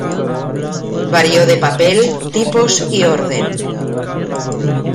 Varió de papel, tipos y orden.